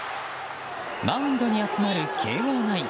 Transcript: マウンドに集まる慶應ナイン。